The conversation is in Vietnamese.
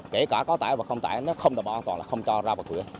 kể cả quá tải và không tải nó không đảm bảo an toàn là không cho ra vào cửa